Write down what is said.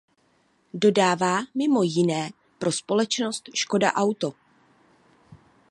Dodává mimo jiné pro společnost Škoda Auto.